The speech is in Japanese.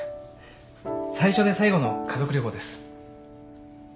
最初で最後の家族旅行です。